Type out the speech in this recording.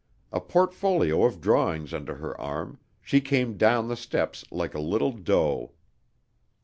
A portfolio of drawings under her arm, she came down the steps like a little doe.